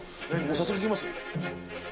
早速いきます？